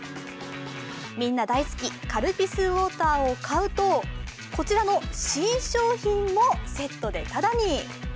みんな大好き、カルピスウォーターを買うと、こちらの新商品もセットでただに。